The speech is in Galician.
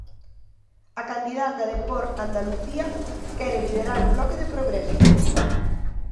A candidata de Por Andalucía quere liderar o bloque de progreso.